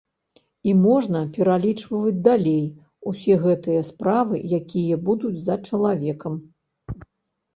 І можна пералічваць далей усе гэтыя справы, якія будуць за чалавекам.